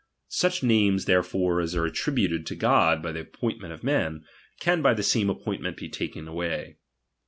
Such names therefore as are attributed to God by the appointment of men, can by the same appointment be taken away.